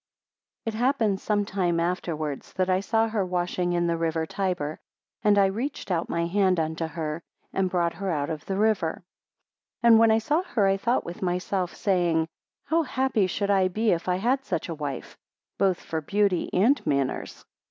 It happened some time afterwards, that I saw her washing in the river Tyber; and I reached out my hand unto her, and brought her out of the river, 2 And when I saw her I thought with myself, saying, How happy should I be if I had such a wife, both for beauty and manners.